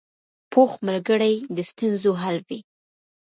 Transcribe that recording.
پوخ ملګری د ستونزو حل وي